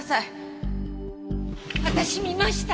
私見ました！